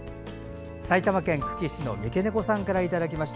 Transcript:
埼玉県久喜市のミケネコさんからいただきました。